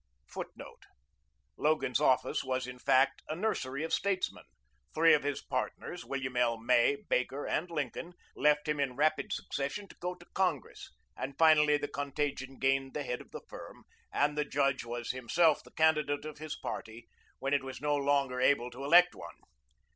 [Footnote: Logan's office was, in fact, a nursery of statesmen. Three of his partners, William L. May, Baker, and Lincoln, left him in rapid succession to go to Congress, and finally the contagion gained the head of the firm, and the judge was himself the candidate of his party, when it was no longer able to elect one.